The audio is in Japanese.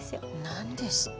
何ですって？